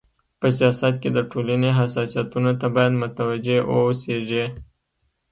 په سیاست کي د ټولني حساسيتونو ته بايد متوجي و اوسيږي.